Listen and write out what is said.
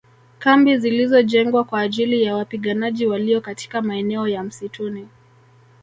Kambi zilizojengwa kwa ajili ya wapiganaji walio katika maeneo ya msituni